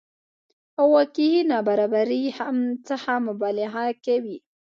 او واقعي نابرابرۍ څخه مبالغه کوي